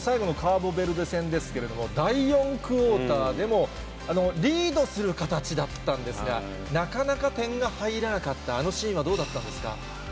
最後のカーボベルデ戦ですけれども、第４クオーターでも、リードする形だったんですが、なかなか点が入らなかったあのシーンはどうだったんですか。